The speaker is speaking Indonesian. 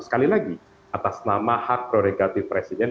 sekali lagi atas nama hak prerogatif presiden